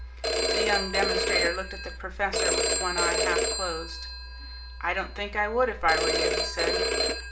The young demonstrator looked at the professor with one eye half closed. "I don't think I would if I were you." he said.